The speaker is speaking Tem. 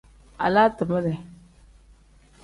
Alaa timere.